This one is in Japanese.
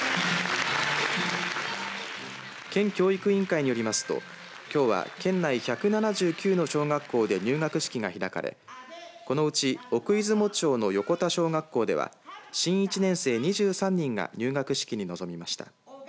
県教育委員会によりますときょうは県内１７９の小学校で入学式が開かれこのうち奥出雲町の横田小学校では新１年生２３人が入学式に臨みました。